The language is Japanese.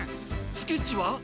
スケッチは？